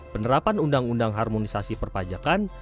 penerapan undang undang harmonisasi perpajakan